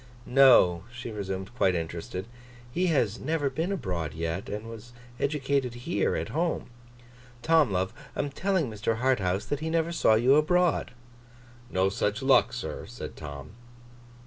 'No,' she resumed, quite interested, 'he has never been abroad yet, and was educated here, at home. Tom, love, I am telling Mr. Harthouse that he never saw you abroad.' 'No such luck, sir,' said Tom.